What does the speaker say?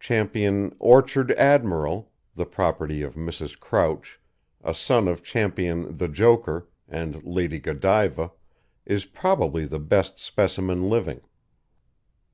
Ch. Orchard Admiral, the property of Mrs. Crouch, a son of Ch. The Joker and Lady Godiva, is probably the best specimen living.